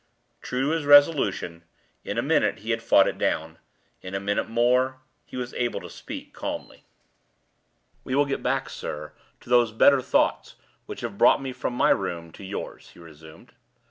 True to his resolution, in a minute he had fought it down. In a minute more he was able to speak calmly. "We will get back, sir, to those better thoughts which have brought me from my room to yours," he resumed.